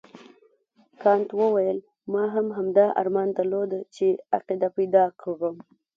کانت وویل ما هم همدا ارمان درلود چې عقیده پیدا کړم.